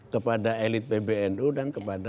kepada elit pbnu dan kepada